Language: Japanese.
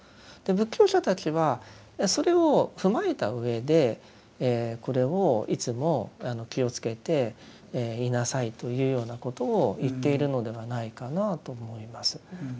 仏教者たちはそれを踏まえた上でこれをいつも気をつけていなさいというようなことを言っているのではないかなと思います。